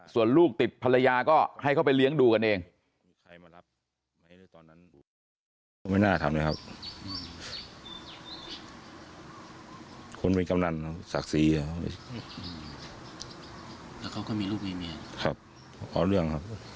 ส่วนลูกติดภรรยาก็ให้เขาไปเลี้ยงดูกันเอง